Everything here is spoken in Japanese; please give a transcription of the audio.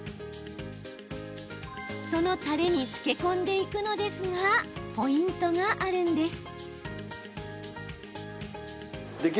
そのたれに漬け込んでいくのですがポイントがあるんです。